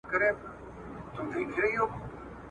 اوس په خپله يو د بل په لاس قتلېږي `